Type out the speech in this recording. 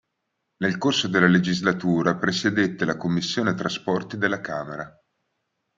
Nel corso della legislatura presiedette la commissione trasporti della Camera.